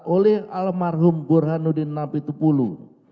oleh almarhum burhanuddin namitpulu